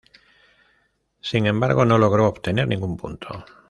Sin embargo, no logró obtener ningún punto.